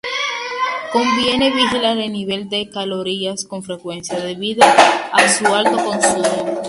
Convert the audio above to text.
Conviene vigilar el nivel de calcio con frecuencia, debido a su alto consumo.